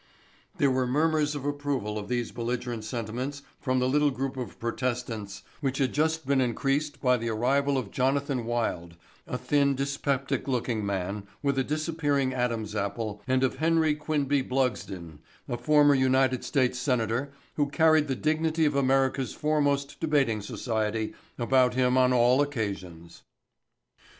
There were murmurs of approval of these belligerent sentiments from the little group of protestants which had just been increased by the arrival of Jonathan Wilde, a thin dyspeptic looking man with a disappearing Adam's apple and of Henry Quinby Blugsden, a former United States senator who carried the dignity of America's foremost debating society about with him on all occasions.